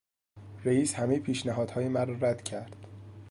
رئیس همهی پیشنهادهای مرا رد کرد.